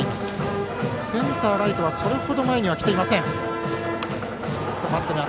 センター、ライトはそれほど前には来ていません。